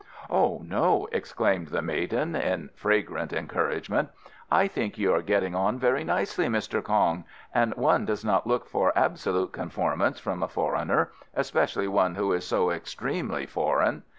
"Oh no," exclaimed the maiden, in fragrant encouragement, "I think you are getting on very nicely, Mr. Kong, and one does not look for absolute conformance from a foreigner especially one who is so extremely foreign.